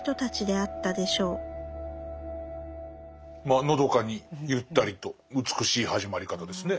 まあのどかにゆったりと美しい始まり方ですね。